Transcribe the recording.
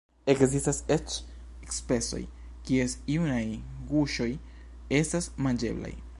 Ekzistas eĉ specoj, kies junaj guŝoj estas manĝeblaj.